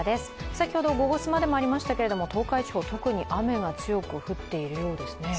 先ほど、「ゴゴスマ」でもありましたけど東海地方、特に雨が強く降っているようですね。